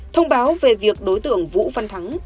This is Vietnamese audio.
thông báo về việc đối tượng vũ văn thắng